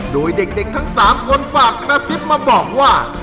โดยเด็กทั้ง๓คนฝากกระซิบมาบอกว่า